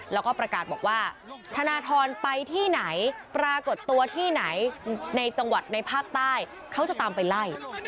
แล้วก็ประกาศบอกว่าธนทรไปที่ไหนปรากฏตัวที่ไหนในจังหวัดในภาคใต้เขาจะตามไปไล่